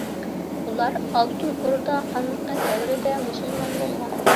ئۇلار ئالتۇن ئوردا خانلىقى دەۋرىدە مۇسۇلمان بولغان.